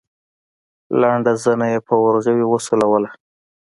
لنډه زنه يې په ورغوي وسولوله.